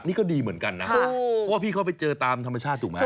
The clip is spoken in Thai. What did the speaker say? นี่ก็ดีเหมือนกันนะเพราะว่าพี่เขาไปเจอตามธรรมชาติถูกไหม